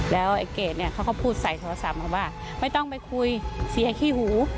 แล้วไอ้เกดเนี่ยเขาก็พูดใส่โทรศัพท์มาว่าไม่ต้องไปคุยเสียขี้หู